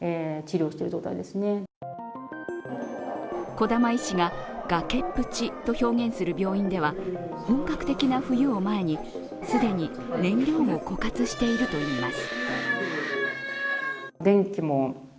小玉医師が崖っぷちと表現する病院では、本格的な冬を前に、既に燃料も枯渇しているといいます。